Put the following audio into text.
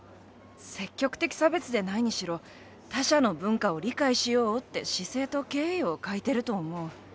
積極的差別でないにしろ他者の文化を理解しようって姿勢と敬意を欠いてると思う。